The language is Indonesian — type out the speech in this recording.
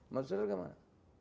masuk saudara gimana